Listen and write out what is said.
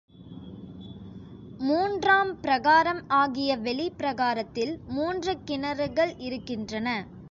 மூன்றாம் பிரகாரம் ஆகிய வெளிப்பிரகாரத்தில் மூன்று கிணறுகள் இருக்கின்றன.